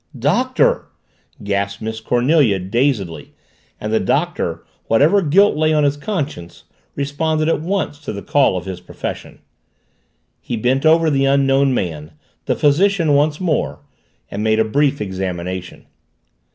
"Doctor!" gasped Miss Cornelia dazedly and the Doctor, whatever guilt lay on his conscience, responded at once to the call of his profession. He bent over the Unknown Man the physician once more and made a brief examination.